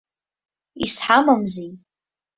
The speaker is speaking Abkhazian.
Изҳамамзеи!